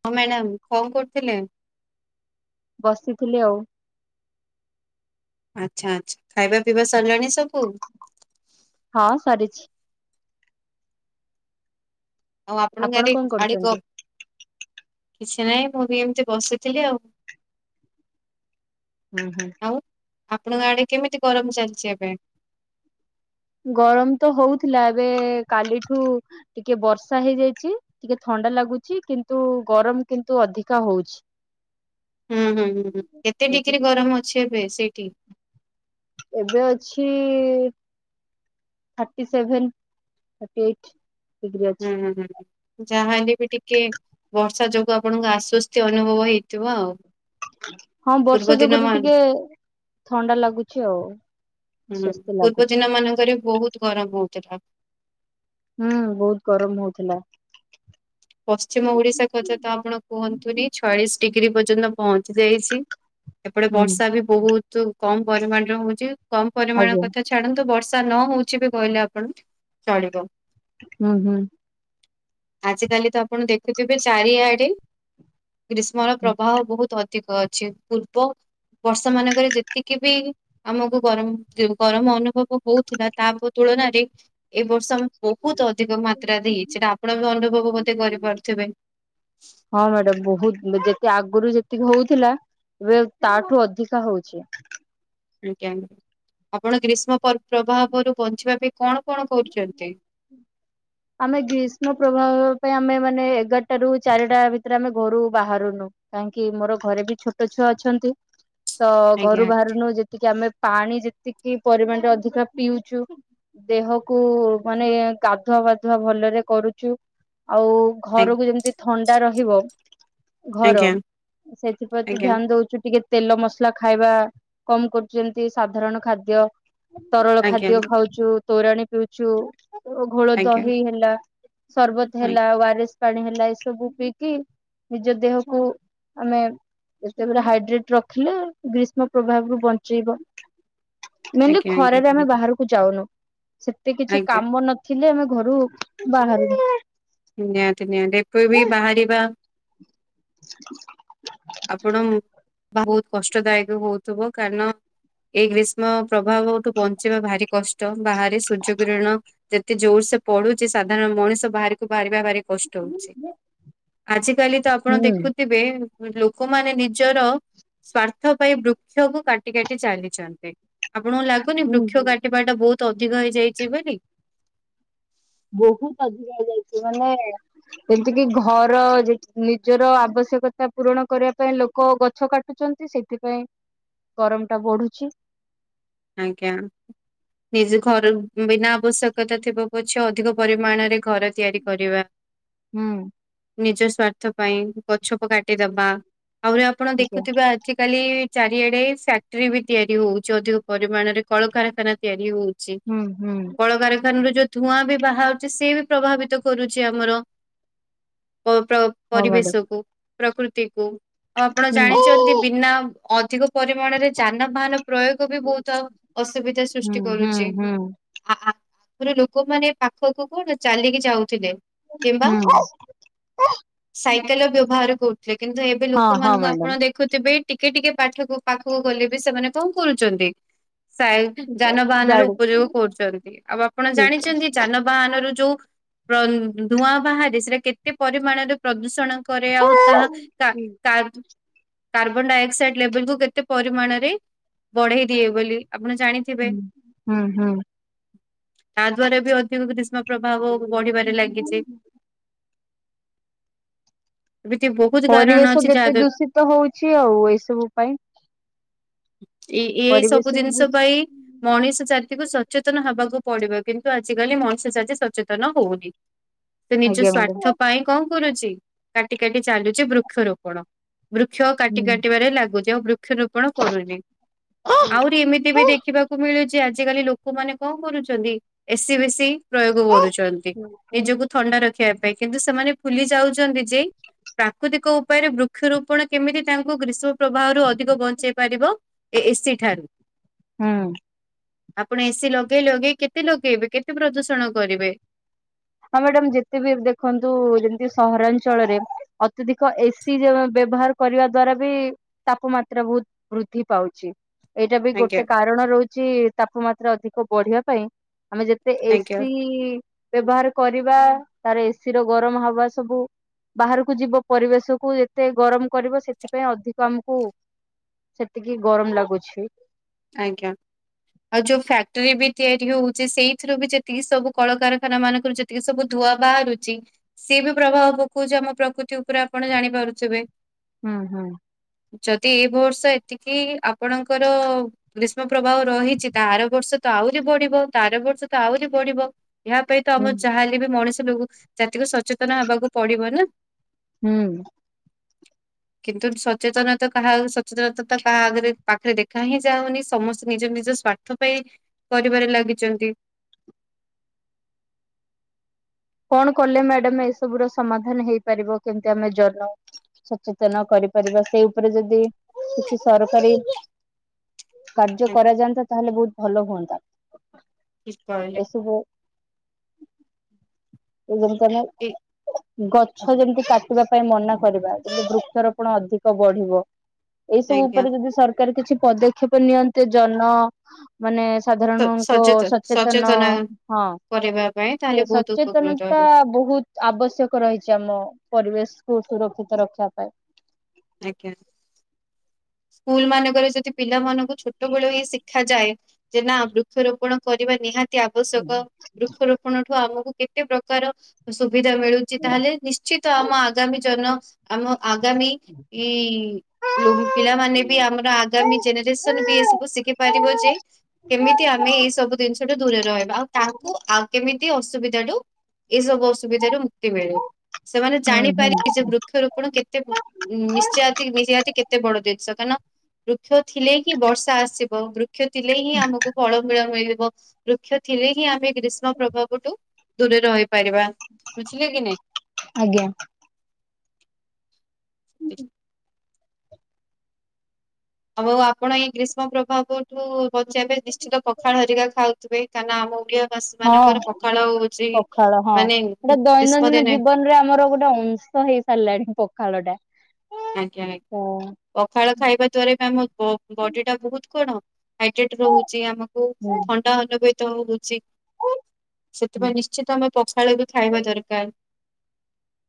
ହଁ ମ୍ୟାଡାମ କଣ କରୁଥିଲେ? ବସିଥିଲି ଆଉ ଆଚ୍ଛା ଆଚ୍ଛା ଖାଇବା ପିଇବା ସରିଲାଣି ସବୁ ହଁ ସାରିଛି ଆଉ ଆପଣଙ୍କ ଆପଣ ଆଡ଼େ କଣ ଗାଡି କ କରୁଛନ୍ତି? କିଛି ନାହିଁ ମୁଁ ବି ଏମିତି ବସିଥିଲି ଆଉ ହୁଁ ହୁଁ। ଆଉ ଆପଣଙ୍କ ଆଡେ କେମିତି ଗରମ ଚାଲିଛି ଏବେ ଗରମ ତ ହଉଥିଲା ଏବେ କାଲିଠୁ ଟିକେ ବର୍ଷା ହେଇଯାଇଛି ଟିକେ ଥଣ୍ଡା ଲାଗୁଛି କିନ୍ତୁ ଗରମ କିନ୍ତୁ ଅଧିକା ହଉଛି ହୁଁ ହୁଁ ହୁଁଁ କେତେ ଡିଗ୍ରୀ ଗରମ ଅଛି ଏବେ ସେଇ ଟି ଏବେ ଅଛି thirty seven thirty eight degree ହୁଁ ଅଛି। ହୁଁ ହୁଁ ହୁଁ ଯାହାହେଲେ ବି ଟିକେ ବର୍ଷା ଯୋଗୁଁ ଆପଣଙ୍କୁ ଆଶ୍ଵସ୍ତି ଅନୁଭବ ହେଇଥିବ ଆଉ ହଁ ପୂର୍ବ ବର୍ଷା ଦିନ ଯୋଗୁରୁ ମାନ ଟିକେ ଥଣ୍ଡା ଲାଗୁଛି ଆଉ ହୁଁ ଆଶ୍ୱସ୍ତି ପୂର୍ବ ଲାଗୁଛି। ଦିନ ମାନଙ୍କରେ ବହୁତ ଗରମ ହଉଥିଲା। ହୁଁ ବହୁତ ଗରମ ହଉଥିଲା। ପଶ୍ଚିମ ଓଡିଶା କଥା ତ ଆପଣ କୁହନ୍ତୁନି ଛୟାଳିଶି ଡିଗ୍ରୀ ପର୍ଯ୍ୟନ୍ତ- - ପହଞ୍ଚି ଯାଇଛି ଏପଟେ ହୁଁ ବର୍ଷା ବି ବହୁତ କମ୍ ପରିମାଣରେ ହଉଛି। କମ୍ ପରିମାଣ ଆଜ୍ଞା କଥା ଛାଡନ୍ତୁ ବର୍ଷା ନ ହଉଛି ବି କହିଲେ ଆପଣ ଚଳିବ ହୁଁ ହୁଁ ଆଜ କାଲି ତ ଆପଣ ଦେଖୁଥିବେ ଚାରିଆଡେ ଗ୍ରୀଷ୍ମ ର ପ୍ରବାହ ବହୁତ ଅ- ଠିକ୍ ଅଛି ପୂର୍ବ ବର୍ଷ ମାନଙ୍କରେ ଯେତିକି ବି ଆମକୁ ଗରମ ଗରମ ଅନୁଭବ ହଉଥିଲା ତା ତୁଳନାରେ ଏ ବର୍ଷ ବହୁତ ଅଧିକ ମାତ୍ରାରେ ହେଇଛି ସେଟା ଆପଣ- - ହଁ ମ୍ୟାଡାମ ବହୁତ ଯେତେ ଆଗ ଗୁରୁ ଯେତିକି ହଉଥିଲା ଏବେ ତା ଠୁ ଅଧିକା ହଉଛି। ଆଜ୍ଞା ଆପଣ ଗ୍ରୀଷ୍ମ ପ୍ରଭାବରୁ ବଞ୍ଚିବା ପାଇଁ। କଣ କଣ କରୁଛନ୍ତି। ଆମେ ଗ୍ରୀଷ୍ମ ପ୍ରଭାବ ପାଇଁ ଆମେ ମାନେ ଏଗାରଟା ରୁ ଚାରିଟା ଭିତରେ ଆମେ ଘରୁ ବାହାରୁନୁ କାହିଁକି ମୋର ଘରେ ବି ଛୋଟ ଛୁଆ ଅଛନ୍ତି। ତ ଆଜ୍ଞା ଘରୁ ବାହାରୁନୁ ଯେତିକି ଆମେ। ପାଣି ଯେତିକି ପରିମାଣରେ ଅଧିକା ପିଉଛୁ ଦେହକୁ ମାନେ ଗାଧୁଆ ଭଲରେ କରୁଛୁ। ଆଉ ଆଜ୍ଞା ଘରକୁ ଯେମତି। ଥଣ୍ଡା ରହିବ। ଘର ଆଜ୍ଞା ସେଥିପ୍ରତି ଆଜ୍ଞା ଧ୍ୟାନ ଦଉଛୁ ଟିକେ। ତେଲ ମସଲା ଖାଇବା କମ କରୁଛନ୍ତି ସାଧାରଣ ଖାଦ୍ୟ। ତରଳ ଆଜ୍ଞା। ଖାଦ୍ୟ ଖାଉଛୁ। ତୋରାଣି ପିଉଛୁ। ଆଜ୍ଞା ଦହି ହେଲା ସରବତ ହେଲା ୱାରେସ୍। ପାଣି ହେଲା ଏ ସବୁ ପିଇକି ନିଜ ଦେହକୁ ଆମେ ଯେତେବେ ହାଇଡ୍ରେଟ ରଖିଲେ ଗ୍ରୀଷ୍ମ ପ୍ରଭାବ ରୁ ବଞ୍ଚେଇବ। ମେନ୍ଲି ଆଜ୍ଞା ଆଜ୍ଞା ଖରାରେ ଆମେ ଆଜ୍ଞା ବାହାରକୁ ଯାଉନୁ। ସେତେ କିଛି ଆଜ୍ଞା କାମ ନଥିଲେ ଆମେ। ଘରୁ ବାହାରୁ। ନିହାତି ନିହାତି ଏପ ବି ବାହାରିବା। [inaudible] ଆପଣ ବହୁତ କଷ୍ଟଦାୟକ ହଉଥିବ କାରଣ ଏଇ ଗ୍ରୀଷ୍ମ ପ୍ରଭାବଠୁ ବଞ୍ଚିବା ଭାରି କଷ୍ଟ। ବାହାରେ ସୂର୍ଯ୍ୟ କିରଣ। ଯେତେ ଜୋର ସେ ପଡୁଛି ସାଧାରଣ ମଣିଷ ବାହାରିକୁ ବାହାରିବା ଭାରି। କଷ୍ଟ ହଉଛି। ଆଜି। କାଲି ତ ଆପଣ ହୁଁ। ଦେଖୁଥିବେ। ଲୋକମାନେ ନିଜର ସ୍ଵାର୍ଥ ପାଇଁ ବୃକ୍ଷ କ କାଟି କାଟି ଚାଲିଛନ୍ତି ଆପଣଙ୍କୁ ଲାଗୁନି ହୁଁ ବୃକ୍ଷ ହୁଁ କାଟିବା ଟା ବହୁତ। ତ ଅଧିକ ହେଇଯାଇଛି ବୋଲି। ବହୁତ ଅଧିକା ହେଇଯାଇଛି ମାନେ ଯେମତି କିି ଘର ନିଜର ଆବଶ୍ୟକତା ପୂରଣ କରିବା ପାଇଁ ଲୋକ ଗଛ କାଟୁଛନ୍ତି ସେଥିପାଇଁ ଗରମ ଟା ବଢୁଛି। ଆଜ୍ଞା ନିଜ ଘର ବିନା ଆବଶ୍ୟକତା ଥିବ ପଛେ ଅଧିକ ପରିମାଣରେ ଘର ତିଆରି କରିବା। ହୁଁ। ନିଜ ସ୍ଵାର୍ଥ ପାଇଁ ଗଛକୁ କାଟିଦବା। ଆହୁରି ଆପଣ ଆଜ୍ଞା ଦେଖୁଥିବେ ଆଜି କାଲି। ଚାରିଆଡେ ଫ୍ୟାକ୍ଟ୍ରି ବି ତିଆରି ହଉଛି ଅଧିକ। ପରିମାଣରେ କଳକାରଖାନା ତିଆରି ହଉଛି। ହୁଁ ହୁଁ କଳକାରଖାନା ର ଯ ଧୂଆଁ ବି ବାହାରୁଛି ସିଏ ବି ପ୍ରଭାବିତ କରୁଛି ଆମର ପ ପ୍ର ହଁ ମ୍ୟାଡାମ ପରିବେଶକୁ ପ୍ରକୃତିକୁ ଆଉ ଆପଣ ହୁଁ ଜାଣିଛନ୍ତି ବିନା ଅଧିକ ପରିମାଣରେ ଯାନବାହାନ ପ୍ରୟୋଗ ବି ବହୁତ ଅସୁବିଧା ହୁଁ ସୃଷ୍ଟି ହୁଁ କରୁଛି ହୁଁ ଆ ରୁ ଲୋକମାନେ ପାଖକୁ କନ୍ ଚାଲିକି ଯାଉଥିଲେ। କିମ୍ବା ହୁଁ ସାଇକେଲ ବ୍ୟବହାର କରୁଥିଲେ କିନ୍ତୁ ଏବେ ହଁ ହଁ ଲୋକମାନଙ୍କୁ ମ୍ୟାଡ଼ାମ ଆପଣ ଦେଖୁଥିବେ। ଟିକେ ଟିକେ ପାଠକୁ ପାଖକୁ ଗଲେ ବି ସେମାନେ କଣ କରୁଛନ୍ତି। ଯାନବାହାନ ର ଗାଡି ଉପଯୋଗ କରୁଛନ୍ତି ଆଉ ଆପଣ ଠିକ ଜାଣିଛନ୍ତି ଯାନବାହାନ ର ଯୋଉ ଧୂଆଁ ବାହାରେ ସୋ କେତେ ପରିମାଣରେ ପ୍ରଦୂଷ ନ କରେ ଆଉ ତାହା ହୁଁ ତା ତାହା କାର୍ବନ ଡାଇଅକ୍ସାଇଡ ଲେବଲ କୁ କେତେ ପରିମାଣରେ ବଢେଇ ଦିଏ ବୋଲି ଆପଣ ଜାଣିଥିବେ। ହୁଁ ହୁଁ ତା ଦ୍ୱାରା ଏବେ ଅ ଗ୍ରୀଷ୍ମ ପ୍ରଭାବ ବଢିବାରେ ଲାଗିଛି। ଏମିତି ବହୁତ କାରଣ ପରିବେଶ ଅଛି ଯେତେ ଯାହାଦ୍ଵାରା ଦୂଷିତ ହଉଛି ଆଉ ଏଇ ସବୁ ପାଇଁ ଏ ସବୁ ପରିବେଶ ବି ଜିନିଷ ଦୂଷିତ ପାଇଁ ମଣିଷ ଜାତିକୁ ସଚେତନ ହବାକୁ ପଡିବ କିନ୍ତୁ ଆଜିିକାଲି ମଣିଷ ସାଜ ସଚେତନ ହଉନି। ସେ ନିଜ ଆଜ୍ଞା ସ୍ଵାର୍ଥ ମ୍ୟାଡାମ ପାଇଁ କଣ କରୁଛି? କାଟି କାଟି ଚାଲୁଛି ବୃକ୍ଷରୋପଣ ବୃକ୍ଷ କାଟି ହୁଁ କାଟିବାରେ ଲାଗୁଛି ଆଉ ବୃ ବୃକ୍ଷରୋପଣ କରୁନି। ଆହୁରି ଏମିତି ବି ଦେଖିବାକୁ ମିଳୁ ଯେ ଆଜିକାଲି ଲୋକମାନେ କଣ କରୁଛନ୍ତି ଏସି ବସିି ପ୍ରୟୋଗ କରୁଛନ୍ତି ନିଜକୁ ଥଣ୍ଡା ରଖିବା ପାଇଁ ପାଇଁ କିନ୍ତୁ ସେମାନେ ଫୁଲି ଯାଉଛନ୍ତି ଯେ ପ୍ରାକୃତିକ ଉପାୟରେ ବୃକ୍ଷରୋପଣ କେମିତି ତାଙ୍କୁ ଗ୍ରୀଷ୍ମ ପ୍ରବାହରୁ ଅଧିକ ବଞ୍ଚେଇ ପାରିବ। ଏ ଏସି ଠାରୁ ହୁଁ ଆପଣ ଏସିି ଲଗେଇ ଲଗେଇ କେତେ ଲଗେଇବେ କେତେ ପ୍ରଦୂଷଣ କରିବେ। ହଁ ମ୍ୟାଡାାମ ଯେତେ ବି ଦେଖନ୍ତୁ ଯେମିତି ସହରାଞ୍ଚଳରେ ଅତ୍ୟଧିକ ଏସି ବ୍ୟବହାର କରିବା ଦ୍ଵାରା ବି ତାପମାତ୍ରା ବହୁତ ବୃଦ୍ଧି ପାଉଛି। ଏଇଟା ବି ଗୋଟେ ଆଜ୍ଞା କାରଣ ରହୁଛି ତାପମା ଅଧିକ ବଢିବା ପାଇଁ ଆମେ ଯେତେ ଆଜ୍ଞା ଏସି ବ୍ୟବହାର କରିବା ତାର ଏସି ର ଗରମ ହବା ସବୁ ବାହାରକୁ ଯିବ ପରିବେଶକୁୁ ଯେତେ ଗରମ କରିବ ସେଥିପାଇଁ ଅଧିକ ଆମକୁ ସେତିକି ଗରମ ଲାଗୁଛି ଆଜ୍ଞା ଆଉ ଯୋଉ ଫ୍ୟାକ୍ଟରି ବି ତିଆରି ହଉଛି ସେଇଥିରୁ ବି ଯେତିକି ସବୁ କଳକାରଖାନା ମାନଙ୍କରୁ ଯେତିକି ସବୁ ଧୂୁଆ ବାହାରୁଛି ସି ବି ପ୍ରଭାବ ପକଉଛି ଆମ ପ୍ରକୃତି ଉପରେ ଆପଣ ଜାଣିପାରୁଥିବେ ହୁଁ ହୁଁ ଯଦି ଏ ବର୍ଷ ଏତିକି ଆପଣଙ୍କର ଗ୍ରୀଷ୍ମ ପ୍ରବାହ ରହିଛି ତାର ବର୍ଷ ତ ଆହୁରି ବଢିବ ତାର ବର୍ଷ ତ ଆହୁରି ବଢିବ ଏହା ପାଇଁ ତ ଆମ ଯାହାେଲେ ବି ମଣିଷ ଜାତିକୁ ସଚେତନ ହେବାକୁ ପଡିବ ନା ହୁଁ କିନ୍ତୁ ସଚେତନତା କାହା ସଚେତନତା ତ କାହା ଆଗରେ ପାଖରେ ଦେଖା ହିଁ ଯାଉନି ସମସ୍ତେ ନିଜ ନିଜ ସଵାର୍ଥ ପାଇଁ କରିବାରେ ଲାଗିଛନ୍ତି କଣ କଲେ ମ୍ୟାଡାମ ଏସବ ର ସମାଧାନ ହେଇପାରିବ କେମତି ଆମେ ଜନ ସଚେତନ କରିପାରିବା ସେଇ ଉପରେ ଯଦି କିଛି ସରକାରୀ କାର୍ଯ୍ୟ ଆଜ୍ଞା, କରାଯାନ୍ତା ତାହେଲେ ବହୁତ ଭଲ ହୁଅନ୍ତା କି କହିଲ ଏସବୁ ଏମ ତମ ଠିକ ଗଛ ଯେମିତି କାଟିବା ପାଇଁ ମନା କରିବା ଯେିତି ବୃକ୍ଷରୋପଣ ଅଧିକ ବଢିବ ଏ ସମୟ ଆଜ୍ଞା। ଉପରେ ଯଦି ସରକାର ପ୍ରକାର କିଛି ପଦକ୍ଷେପ ନିଅନ୍ତେ ଜନ ମାନେ ସ- ସାଧାରଣଙ୍କ ସଚେତନ ସଚେତନ ହଁ କରିବା ପାଇଁ ତାହେଲେ ସେ ବହୁତ ଉପକୃତ ସଚେତନତା ହେବେ ବହୁତ ଆବଶ୍ୟକ ରହିଛି ଆମ ପରିବ ଦେଶକୁୁ ସୁରକ୍ଷିତ ରଖିବା ପାଇଁ ଆଜ୍ଞା ସ୍କୁଲ ମାନଙ୍କରେ ପିଲାମାନଙ୍କୁ ଛୋଟବେେଳ ଇ ଶିଖାାଯାଏ ଯେ ନା ବୃକ୍ଷରୋପଣ କରିବା ନିହାତି ଅ ଆବଶ୍ୟକ ବୃକ୍ଷରୋପଣ ଠୁ ଆମକୁ କେତେ ପ୍ରକାର ସୁବିଧା ମିଳୁଛି ତାହେଲେ ନିଶ୍ଚିତ ଆମ ଆଗାମୀ ଜନ ଆମ ଆଗାମୀ ଏଇ ଲୁମ୍ ମାନେ ବି ଆମର ଆଗାମୀ ଜେନେରେସନ ବି ଏସବୁ ଶିଖି ପାରିବ ଯେ କେମିତି ଆମେ ଏଇ ସବୁ ଜିନିଷଠୁ ଦୂରରେ ରହିବା ଆଉ ତାଙ୍କୁ ଆଉ କେମିତି ଅସୁବିଧାଠୁ ଏସବୁ ଅ ସୁବିଧାରୁ ମୁକ୍ତି ମିଳିବ ସେମାନେ ହୁଁ ହୁଁ। ଜାଣିପାରିବେ ଯେ ବୃକ୍ଷରୋପଣ କେତେ ନିତି ନିହାତିେ ବଡ ଦିନିଷ କାହିଁନା ବୃକ୍ଷ ଥିଲେ ହି ବର୍ଷା ଆସିବ, ବୃ କ୍ଷ ଥିଲେ ହିଁ ଆମକୁ ଫଳ ମୂଳ ମିଳିବ। ବୃକ୍ଷ ଥିଲେ ହିଁ ଆମେ ଗ୍ରୀଷ୍ମ ପ୍ରଭାବ ଠୁ ଦୂରେ ରହି ପାରିବା ବୁଝିଲେ କି ନାଇଁ। ଆଜ୍ଞା [inaudible] [unintelligible] ଆପଣ ଏଇ ଗ୍ରୀଷ୍ମ ପ୍ରଭାବ ଠୁ ବଞ୍ଚିବା ପାଇଁ ନିଶ୍ଚିତ ପଖାଳ ହେରିକା ଖାଉଥୁବେ କାହିଁ ନା ଆମ ଓଡିଆ ବାସୀ ହଁ ମାନଙ୍କର ପଖାଳ ହଉଛି ପଖାଳ ହଁ ମାନେ ସେଟା ଗ୍ରୀଷ୍ମ ଦୈନନ୍ଦିନ ଦିନେ ଜୀବନରେ ଆମର ଗୋଟେ ଅଂଶ ହେଇସାରିଲାଣି ପଖାଳ ଟା। ଆଜ୍ଞା ହୁଁ ଆ-ପଖାଳ ଖାଇବା ଦ୍ଵାରା ତ ଆମ ବ-ବଡି ଟା ବହୁତ କଣ ହାଇଟେଟ ରହୁଚି, ଆମକୁ ହୁଁ। ଥଣ୍ଡା ହେଲେବି ତ ଉଛି ହୁଁ। ସେଥିପାଇଁ ନିଶ୍ଚିତ ଆମେ ପଖାଳ ବି ଖାଇବା ଦରକାର।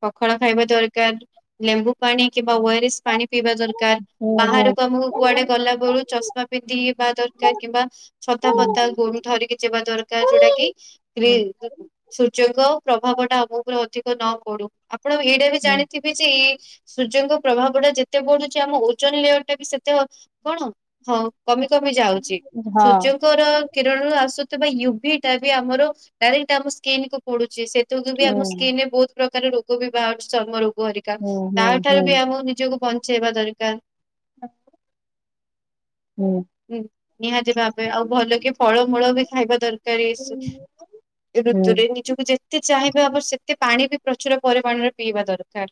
ପଖାଳ ଖାଇବା ଦରକାର। ଲେମ୍ବୁ ପାଣି। କିମ୍ୱା ଓରସେ ପାଣି। ପିଇବା ଦରକାର, ହୁଁ ହୁଁ ବାହାରକୁ ଆମକୁ ହଁ ହୁଁ କୁଆଡେ ଗଲା ବେଳୁ ଚଷମା ପିନ୍ଧିକି ବା ଦରକାର, କିମ୍ବା ଛତା ହୁଁ ଫତା ଗୁମ୍- ଧରିକି ଯିବା ଦରକାର, ଯୋଉଟା କି ହୁଁ ରି-ସୂର୍ଯ୍ୟଙ୍କ ପ୍ରଭାବ ଟା ଆମ ଉପରେ ଅଧି ତ ନ ପଡ଼ୁ। ଆପଣ ଏଇଟା ବି ହୁଁ ହୁଁ। ଜାଣିଥିବେ ଯେ ଏ ସୂର୍ଯ୍ୟଙ୍କ ପ୍ରଭାବ ଟା ଯେତେ ବଢୁଛି ଆମ ଓଜନ ଲେୟର ଟା ବି ସେତେ ଅ-କଣ ହଁ। କମି କମି ଯାଉଚି ସୂର୍ଯ୍ୟଙ୍କର କେରଳରୁ ଆସୁଥିବା ୟୁଭି ଟା ବି ଆମର ଡାଇରେକ୍ଟ ଆମ ସ୍କିନ୍ କୁ ପଡୁଚି, ସେ ଯୋଉଟା ବି ଆମ ସ୍କିନ୍ ରେ ବହୁତ ପ୍ର ତାର ରୋଗ ବି ବାହାରୁଚି ଚର୍ମ ରୁ। ଗୋ ରିକା ହୁଁ ତା ହୁଁ ଠାରୁ ହୁଁ ବି ଆମକୁ ନିଜକୁ ବଞ୍ଚେଇବା ଦରକାର। ହୁଁ ହୁଁ ଉଁ, ନିହାତି ଭାବେ ଆଉ ଭଲ କି ଫଳମୂଳ ବି ଖାଇବା ଦରକାର ଏସୁ-ଋତୁରେ ନିଜକୁ ଯେତେ ଚେ ଚାହିଁବେ ଆବଶ୍ଯକ ପାଣି ବି ପ୍ରଚୁର ପରିମାଣରେ ପିଇବା ଦରକାର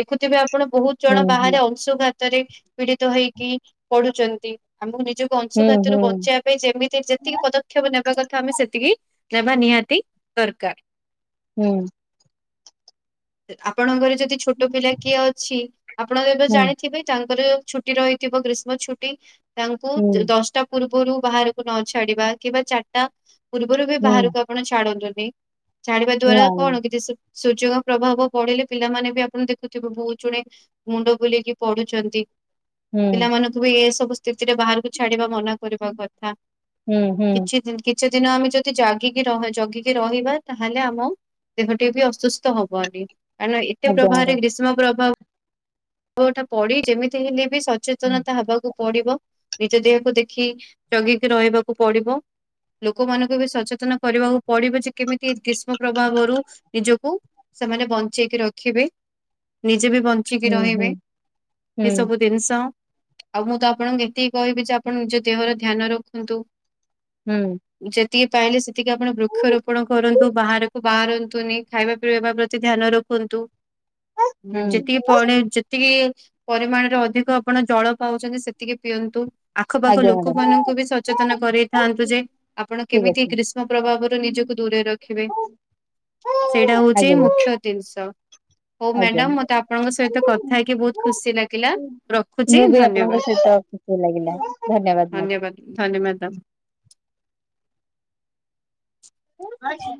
ଦେଖୁଥିବେ ଆ ଆପଣ ବହୁତ ହୁଁ ହୁଁ ହୁଁ ଜଣ ହୁଁ ବାହାରେ ଅଂଶୁଘାତ ତରେ ପୀଡିତ ହେଇକି ପଡୁଚନ୍ତି। ଆମକୁ ନିଜକୁ ନା ଅଂଶୁଘାତରୁ ବଞ୍ଚେଇବା ପାଇଁ ଯେମିତି ଯେତିକି ପଦକ୍ଷେପ ନେବା କଥା ଆମେ ସେତିକି ନବା ନିହାତି ଦରକାର। ହଁ। ଆପଣଙ୍କର ଯ ଦି ଛୋଟ ପିଲା କିଏ ଅଛି ଆପଣ ଏବେ ନା ଜାଣିଥିବେ ତାଙ୍କର ଛୁଟି ରହିଥିବ ଖ୍ରୀଷ୍ମ ଛୁଟି। ତାଙ୍କୁ ହୁଁ ଦଶଟା ପୂର୍ବ ପୂର୍ବରୁ ବାହାରକୁ ନଛାଡିବା କିମ୍ବା ଚାରିଟା ପୂର୍ବରୁ ବି ହୁଁ ହୁଁ ବାହାରକୁ ଆପଣ ଛାଡନ୍ତୁନି। ସେ ଛାଡିବା ଆଜ୍ଞା ଦ୍ଵାରା ମ୍ୟାଡାମ କଣ କିଛି ସୁ ସୁୂଯୋଗ ପ୍ରଭାବ ପଡିଲେ ପିଲାମାନେ ବି ଆପଣ ଦେଖୁଥିବେ ବହୁତ ଜୁଣେ ମୁଣ୍ଡ ବୁଲିକି ପଢୁଛନ୍ତି। ପିଲାମାନଙ୍କୁ ବି ଏ ସବୁ ସେଥିରେ ବାହାରକୁ ଛା ମନା କରିବା କଥା ହୁଁ କିଛି ଯେନିକି କିଛି ଦିନ ଆମେ ଯଦି ଜାଗିକି ଜଗିକି ରହିବା ତାହେଲେ ଆମ ଦେହଟି ବି ଅସୁସ୍ଥ ହବନି। କାରଣ ଏତେ ପ୍ରଭାବରେ ଗ୍ରୀଷ୍ମ ପ୍ରଭାବ। ହୋଟା ପଡି ଯେମିତି ହେଲେ। ବି ସଚେତନତା ହବାକୁ। ପଡିବ ନିଜ ଦେହକୁ ଦେଖି ଜଗିକି ରହିବାକୁ ପଡିବ ଲୋକମାନଙ୍କୁ ବି ସଚେତନ କରିବାକୁ ପଡିବ ଯେ କେମିତି ଗ୍ରୀଷ୍ମ ପ୍ରଭାବରୁ ନିଜକୁ ସେମାନେ ବଞ୍ଚେଇକି ରଖିବେ। ନି ଯେବେ ବଞ୍ଚିକି ରହିବୁ। ହୁଁ ଏ ହୁଁ ସବୁ ଜିନିଷ। ଆଉ ମୁଁ ତ ଆପଣଙ୍କୁ ଏତିକି କହିବି ଯେ ଆପଣ ନିଜ ଦେହର ଧ୍ୟାନ ରଖନ୍ତୁ। ହୁଁ। ତି ପାଇଲେ ସେତିକି ଆପଣ ବୃକ୍ଷରୋପଣ କରନ୍ତୁ ବାହାରକୁ ବାହାରନ୍ତୁନି ଖାଇବା ପିଇବା ପ୍ରତି ଧ୍ୟାନ ରଖନ୍ତୁ। ହୁଁ ହୁଁ। ଯେତିକି ହୁଁ। ପଣେ ଯେ କିଏ ପରିମାଣରେ ଅଧିକ ଆପଣ ଜଳ ପାଉଛନ୍ତି ସେତିକି ପିଅନ୍ତୁ। ଆଖପାଖ ଆଜ୍ଞା ଲୋକମାନଙ୍କୁ ବି ସଚେତନ କରେଇ। ମ୍ୟାଡ଼ାମ ଯାନ୍ତୁ ଯେ [unintelligible] ଆପଣ ଠିକ କେମିତି ଅଛି। ଗ୍ରୀଷ୍ମ ପ୍ରଭାବରୁ ନିଜକୁ ଦୂରେଇ ରଖି ରଖିବେ ସେଇଟା ହଉଛି ଆଜ୍ଞା ମୁଖ୍ୟ ଜିନିଷ ହଉ ଆଜ୍ଞା ମ୍ୟାଡାମ ମତେ ଆପଣଙ୍କ ସହିତ କ ବହୁତ ଖୁସି ଲାଗିଲା ରଖୁଛି ମୁଁ ବି ଧନ୍ୟବାଦ ଆପଣଙ୍କ ସହିତ ଖୁସି ଲାଗିଲା ଧନ୍ୟବାଦ ଧନ୍ୟ ମାଡାମ। ଅଛି।